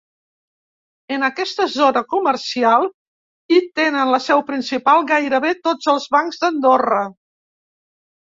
En aquesta zona comercial hi tenen la seu principal gairebé tots els bancs d'Andorra.